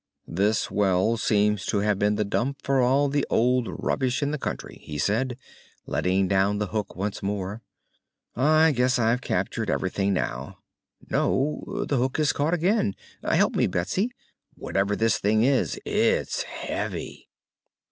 "This well seems to have been the dump for all the old rubbish in the country," he said, letting down the hook once more. "I guess I've captured everything now. No the hook has caught again. Help me, Betsy! Whatever this thing is, it's heavy."